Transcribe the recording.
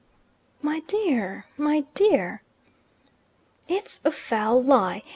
"My dear, my dear!" "It's a foul lie!